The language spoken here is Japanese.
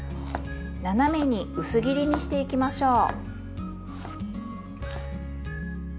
斜めに薄切りにしていきましょう。